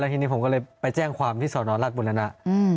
ทีนี้ผมก็เลยไปแจ้งความที่สอนอรัฐบุรณะ